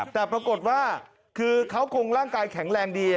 แต่ปรากฏว่าคือเขาคงร่างกายแข็งแรงดี